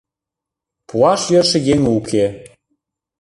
Пуаш йӧршӧ еҥ уке.